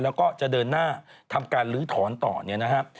แล้วก็จะเดินหน้าทำการลื้อถอนต่อเนี่ยนะครับ